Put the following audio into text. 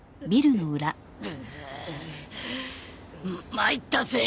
参ったぜ。